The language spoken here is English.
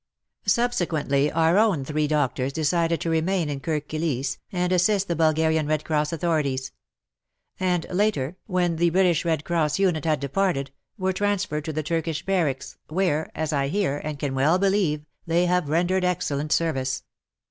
Subsequently our own three doctors decided to remain in Kirk Kilisse and assist the Bul garian Red Cross authorities ; and later, when the British Red Cross unit had departed, were transferred to the Turkish Barracks, where, as I hear, and can well believe, they have rendered excellent service.